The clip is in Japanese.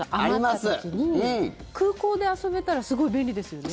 空港で遊べたらすごい便利ですよね。